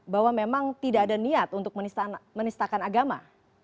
bahwa memang tidak ada niat untuk menistakan agama